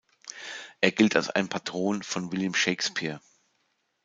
Er gilt als ein Patron von William Shakespeare.